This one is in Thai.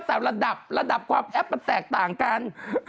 มันมีความระดับระดับความแอบแตกต่างกัน